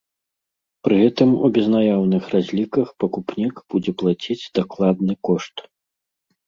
Пры гэтым у безнаяўных разліках пакупнік будзе плаціць дакладны кошт.